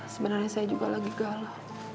sebenernya saya juga lagi galau